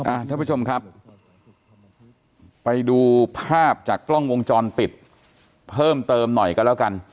อ่าท่านผู้ชมครับไปดูภาพจากกล้องวงจรปิด